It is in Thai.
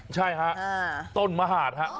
ใช่ฮะต้นมหาดฮะ